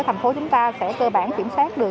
thành phố chúng ta sẽ cơ bản kiểm soát được